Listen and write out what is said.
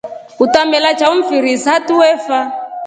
Utemela chao mfiri isata wefa.